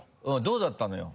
どうだったのよ？